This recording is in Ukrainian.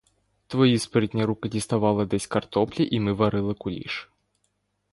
Твої спритні руки діставали десь картоплі і ми варили куліш.